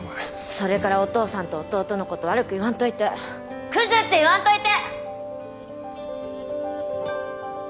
それからお父さんと弟のこと悪く言わんといてクズって言わんといて！